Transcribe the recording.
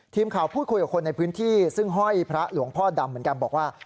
ทีมข่าวพูดคุยกับคนในพื้นที่ซึ่งห้อยพระหลวงพ่อดำเหมือนกันบอกว่า